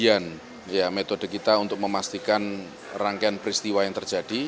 prarekonstruksi itu bagian metode kita untuk memastikan rangkaian peristiwa yang terjadi